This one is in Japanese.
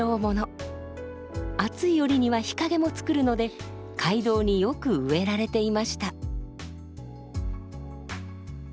暑い折には日陰もつくるので街道によく植えられていました。